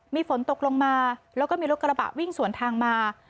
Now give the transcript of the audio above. มีฝนตกลงมาแล้วก็มีรถกระบะวิ่งสวนทางมา